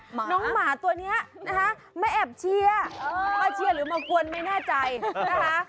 น้องหมาตัวนี้นะคะไม่แอบเชียร์มาเชียร์หรือมากวนไม่แน่ใจนะคะ